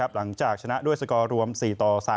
หลังจากชนะด้วยสกอร์รวม๔ต่อ๓